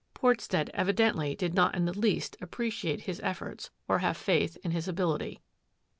Portstead evidently did not in the least ap preciate his efforts or have faith in his ability.